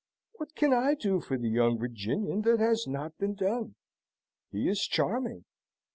What can I do for the young Virginian that has not been done? He is charming.